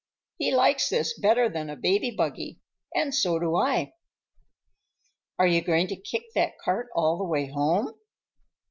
He likes this better than a baby buggy, and so do I." "Are you going to kick that cart all the way home?"